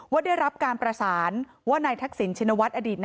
ว่าได้รับการประสานว่านายทักศิลป์ชินวทธ์